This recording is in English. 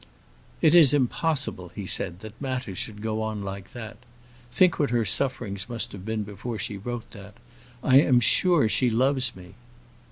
"It is impossible," he said, "that matters should go on like that. Think what her sufferings must have been before she wrote that. I am sure she loves me."